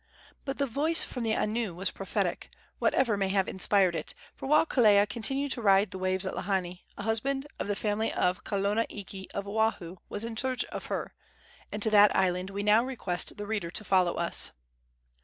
But the voice from the anu was prophetic, whatever may have inspired it; for while Kelea continued to ride the waves at Lahaina, a husband, of the family of Kalona iki, of Oahu, was in search of her, and to that island we now request the reader to follow us.